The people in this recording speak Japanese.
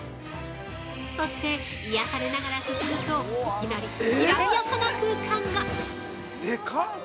そして癒されながら進むといきなりきらびやかな空間が！